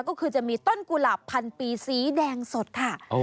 ก็คือจะมีต้นกุหลาบพันปีสีแดงสดค่ะ